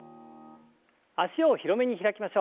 脚を広めに開きましょう。